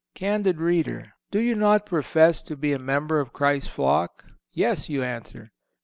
Candid reader, do you not profess to be a member of Christ's flock? Yes, you answer.